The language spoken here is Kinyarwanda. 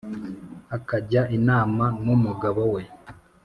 akajya inama nu mugabo we